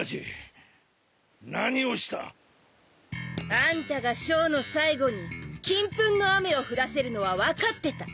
あんたがショーの最後に金粉の雨を降らせるのは分かってた。